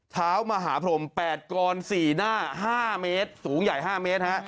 เท้ามหาพรม๘กร๔หน้า๕เมตรสูงใหญ่๕เมตรฮะ